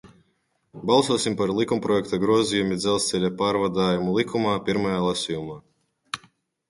"Balsosim par likumprojekta "Grozījumi Dzelzceļa pārvadājumu likumā" pirmajā lasījumā!"